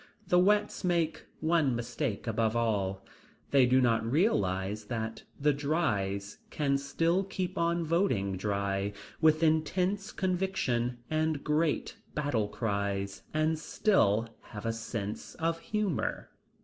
The wets make one mistake above all. They do not realize that the drys can still keep on voting dry, with intense conviction, and great battle cries, and still have a sense of humor.